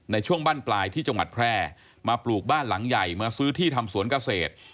ในช่วงบ้านปลายที่จังหวัดแพร่มาปลูกบ้านหลังใหญ่มาซื้อที่ทำสวนเกษตร